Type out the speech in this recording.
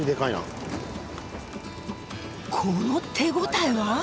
この手応えは。